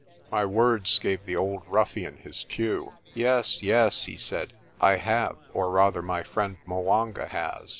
My words gave the old ruffian his cue. "Yes, yes," he said, "I have, or rather my friend 'Mwanga has.